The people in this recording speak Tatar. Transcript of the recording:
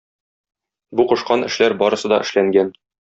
Бу кушкан эшләр барысы да эшләнгән.